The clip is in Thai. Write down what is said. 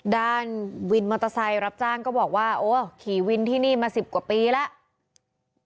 ด้านวินมอเตอร์ไซค์รับจ้างก็บอกว่าโอ้ขี่วินที่นี่มา๑๐กว่าปีแล้ว